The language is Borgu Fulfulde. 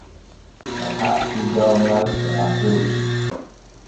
O haɓɓi jawŋal e akurki.